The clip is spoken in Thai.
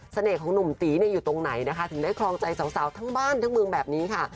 ของหนุ่มตีอยู่ตรงไหนนะคะถึงได้ครองใจสาวทั้งบ้านทั้งเมืองแบบนี้ค่ะ